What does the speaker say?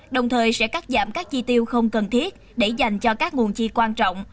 đồng thời sẽ cắt giảm các chi tiêu không cần thiết để dành cho các nguồn chi quan trọng